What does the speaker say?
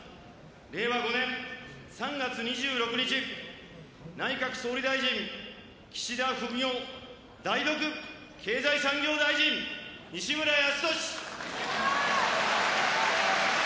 令和５年３月２６日内閣総理大臣岸田文雄代読経済産業大臣西村康稔